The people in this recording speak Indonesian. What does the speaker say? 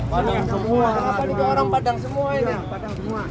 kenapa orang padang semua ini